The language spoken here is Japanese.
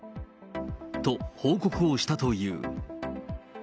と、報告をしたという。